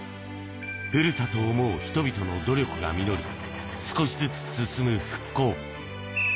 故郷を想う人々の努力が実り、少しずつ進む復興。